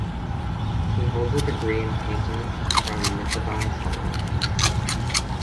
He holds a degree in painting from Mithibai College.